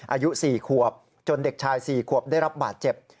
อายุ๔ขวบจนเด็กชาย๔ขวบได้รับบาดเจ็บ